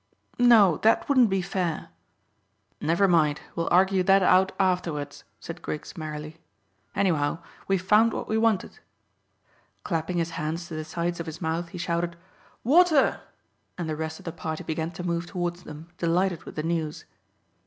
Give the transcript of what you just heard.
"No, that wouldn't be fair." "Never mind; we'll argue that out afterwards," said Griggs merrily. "Anyhow, we've found what we wanted." Clapping his hands to the sides of his mouth, he shouted "Water!" and the rest of the party began to move towards them, delighted with the news.